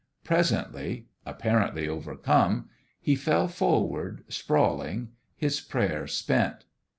Presently apparently overcome he fell forward sprawl ing, his prayer spent.